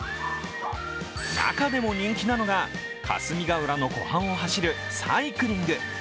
中でも人気なのが、霞ヶ浦の湖畔を走るサイクリング。